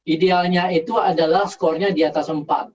idealnya itu adalah skornya di atas empat